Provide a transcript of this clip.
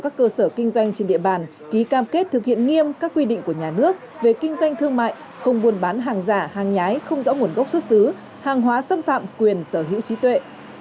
các đối tượng sử dụng nhiều thủ đoạn tinh vi nhằm qua mặt hàng giả hàng hóa xâm phạm quyền sở hữu trí tuệ